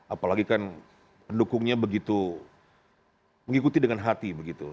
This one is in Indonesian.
apalagi kan pendukungnya begitu mengikuti dengan hati begitu